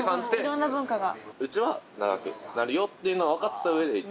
いろんな文化が。